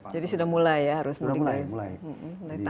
jadi sudah mulai ya harus melihat